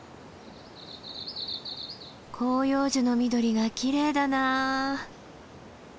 広葉樹の緑がきれいだなあ。